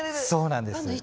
そうなんです。